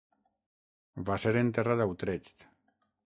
Va ser enterrat a Utrecht.